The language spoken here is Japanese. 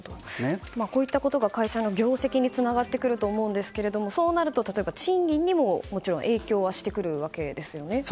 こういったことが会社の業績につながってくると思うんですがそうなると例えば、賃金にも影響はしてくるわけですよね。